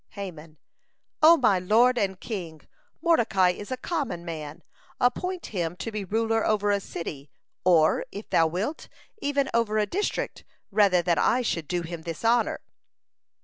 Haman: "O my lord and king, Mordecai is a common man. Appoint him to be ruler over a city, or, if thou wilt, even over a district, rather than I should do him this honor."